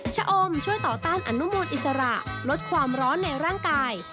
ชะอมช่วยต่อต้านอนุมูลอิสระลดความร้อนในร่างกาย